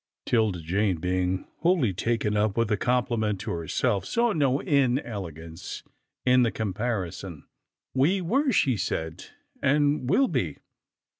'Tilda Jane, being wholly taken up with the com pliment to herself, saw no inelegance in the com parison. " We were," she said, " and will be."